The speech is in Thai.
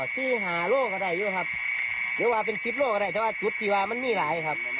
ที่หาโรคก็ได้อยู่ครับหรือว่าเป็น๑๐โลกก็ได้แต่ว่าชุดที่ว่ามันมีหลายครับ